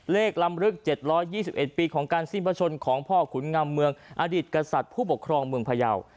ลำลึก๗๒๑ปีของการสิ้นพระชนของพ่อขุนงำเมืองอดีตกษัตริย์ผู้ปกครองเมืองพยาว